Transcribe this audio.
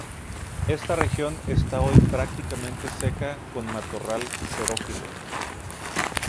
Esta región está hoy prácticamente seca con matorral xerófilo.